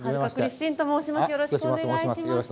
よろしくお願いします。